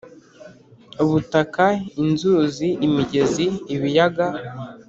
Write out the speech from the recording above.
ubutaka inzuzi imigezi ibiyaga